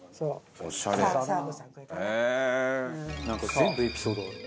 全部エピソードがある。